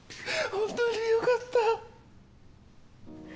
本当に良かった。